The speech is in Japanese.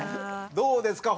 どうですか？